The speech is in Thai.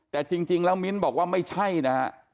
แต่จริงแล้วมิ้นท์บอกว่าไม่ใช่นะฮะ